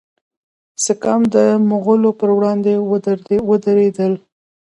سکام د مغولو پر وړاندې ودریدل.